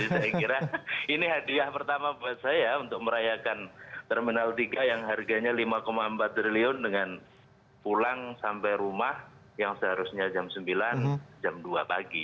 saya kira ini hadiah pertama buat saya untuk merayakan terminal tiga yang harganya lima empat triliun dengan pulang sampai rumah yang seharusnya jam sembilan jam dua pagi